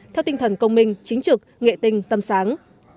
theo tinh thần công minh chính trực nghệ tinh tâm sáng